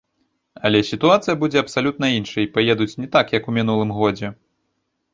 Але сітуацыя будзе абсалютна іншай, паедуць не так, як у мінулым годзе.